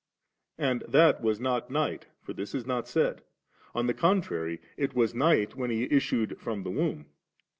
And that was not night, for this is not said ; on the contrary, it was night when He issued from the womb.